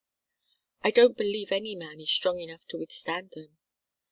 I don't believe any man is strong enough to withstand them.